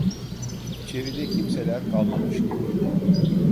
İçeride kimseler kalmamış gibiydi.